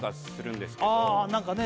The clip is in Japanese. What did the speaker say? あ何かね